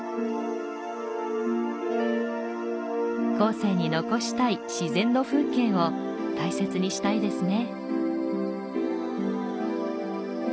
後世に残したい自然の風景を大切にしたいですね。